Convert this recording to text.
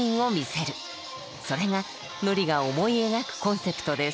それがＮＯＲＩが思い描くコンセプトです。